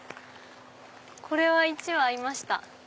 これは１羽いました。